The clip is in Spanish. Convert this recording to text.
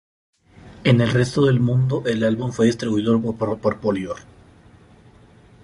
En el resto del mundo, el álbum fue distribuido por Polydor.